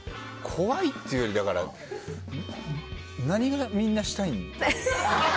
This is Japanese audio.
怖いっていうより何がみんな、したいのって。